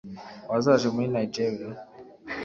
Wazaje muri Nigeria